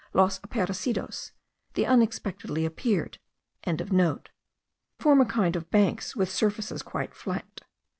Los Aparecidos, the Unexpectedly appeared.) form a kind of banks with surfaces quite flat.